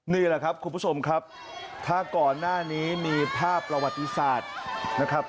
นี่แหละครับคุณผู้ชมครับถ้าก่อนหน้านี้มีภาพประวัติศาสตร์นะครับ